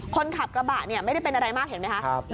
คนขับกระบะไม่ได้เป็นอะไรมากเห็นไหมคะ